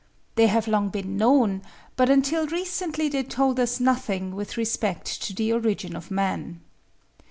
They have long been known, but until recently they told us nothing with respect to the origin of man.